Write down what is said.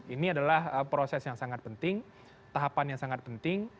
ini adalah proses yang sangat penting tahapan yang sangat penting